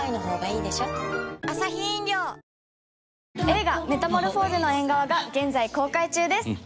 映画『メタモルフォーゼの縁側』が現在公開中です。